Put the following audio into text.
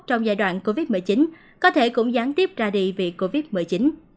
trong giai đoạn covid một mươi chín có thể cũng gián tiếp ra đi vì covid một mươi chín